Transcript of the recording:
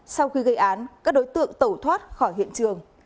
sau khi gây án các đối tượng tẩu thoát khỏi hiện trường